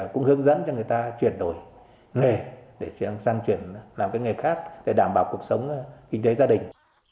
cũng hướng dẫn cho người ta chuyển đổi nghề để sang chuyển làm cái nghề khác để đảm bảo cuộc sống kinh tế gia đình